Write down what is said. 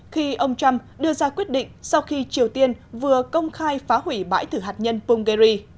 khi ông trump đưa ra quyết định sau khi triều tiên vừa công khai phá hủy bãi thử hạt nhân punggeria